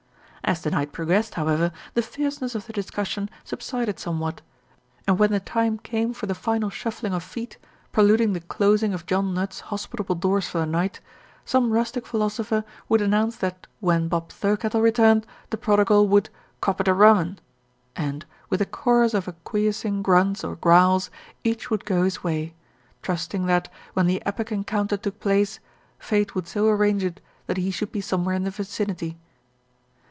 As the night progressed, however, the fierceness of the discussion subsided somewhat, and when the time came for the final shuffling of feet, preluding the closing of John Nudd's hospitable doors for the night, some rustic philosopher would announce that when Bob Thir kettle returned the prodigal would "cop it a rum un" and, with a chorus of acquiescing grunts or growls, each would go his way, trusting that, when the epic en counter took place, Fate would so arrange it that he should be somewhere in the vicinity.